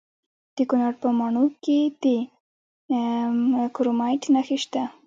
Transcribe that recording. د کونړ په ماڼوګي کې د کرومایټ نښې شته.